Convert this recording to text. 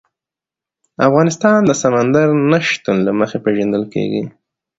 افغانستان د سمندر نه شتون له مخې پېژندل کېږي.